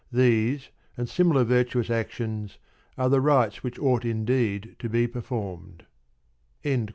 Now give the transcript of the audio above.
these and similar virtuous actions are the rites which ought indeed to be performed.